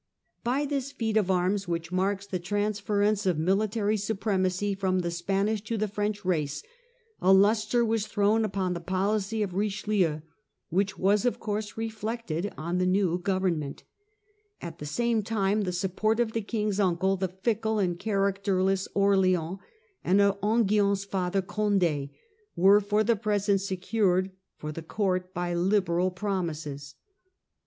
By this feat of arms, which marks the transference of military supremacy from the Spanish to the French race, a lustre was thrown upon the policy of Richelieu which was of course reflected on the new government. At the same 1643 Richelieu and Mazarin , 19 time the support of the King's uncle, the fickle and characterless Orleans, and of Enghien's father, Condd, were for the present secured for the court by liberal promises.